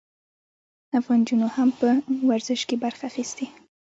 افغان نجونو هم په ورزش کې برخه اخیستې.